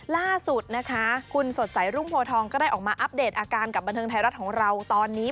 ล่าสุดนะคะคุณสดใสรุ่งโพทองก็ได้ออกมาอัปเดตอาการกับบันเทิงไทยรัฐของเราตอนนี้